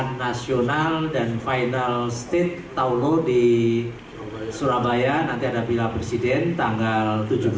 di ajang nasional dan final state taulo di surabaya nanti ada pilihan presiden tanggal tujuh belas dua puluh dua